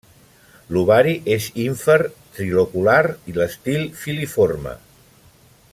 L'ovari és ínfer, trilocular i l'estil filiforme.